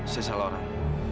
saya salah orang